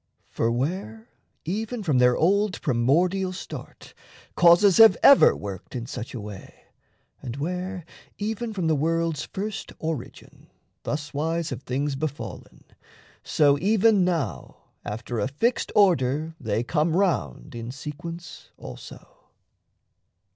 For where, even from their old primordial start Causes have ever worked in such a way, And where, even from the world's first origin, Thuswise have things befallen, so even now After a fixed order they come round In sequence also.